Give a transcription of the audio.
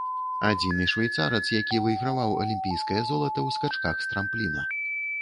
Адзіны швейцарац, які выйграваў алімпійскае золата ў скачках з трампліна.